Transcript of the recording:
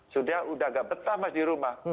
sudah tidak betah di rumah